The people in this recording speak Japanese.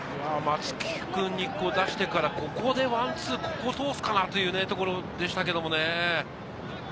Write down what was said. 松木君に出してから、ここでワンツー、ここ通すかなというところでしたけれど。